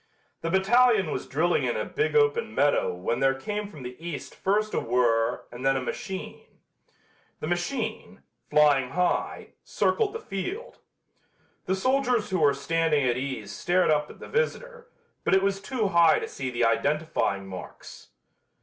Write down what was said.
The battalion was drilling in a big open meadow when there came from the East first a whirr and then a machine. The machine, flying high, circled the field. The soldiers who were standing at ease stared up at the visitor, but it was too high to see the identifying marks.